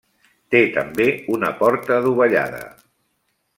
Té també una porta adovellada.